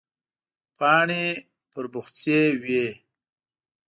پاڼې پر پخڅې وې.